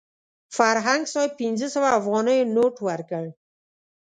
فرهنګ صاحب پنځه سوه افغانیو نوټ ورکړ.